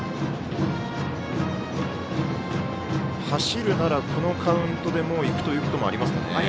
走るならこのカウントでもう行くということもありますかね。